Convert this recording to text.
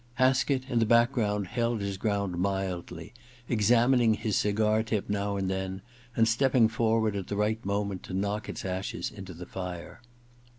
Haskett, in the background, held his ground mildly, examining his cigar tip now and then, and stepping forward at the right moment to knock its ashes into the fire.